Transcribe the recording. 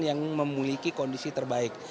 yang memiliki kondisi terbaik